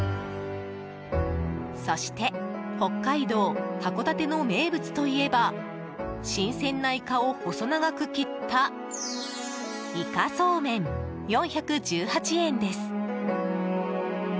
そして北海道函館の名物といえば新鮮なイカを細長く切ったいかソーメン、４１８円です。